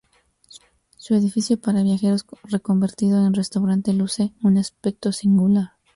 Su edificio para viajeros reconvertido en restaurante luce un aspecto singular.